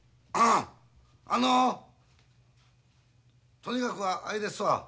あのとにかくあれですわ。